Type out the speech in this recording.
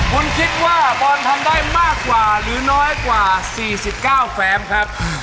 คุณคิดว่าบอลทำได้มากกว่าหรือน้อยกว่า๔๙แฟมครับ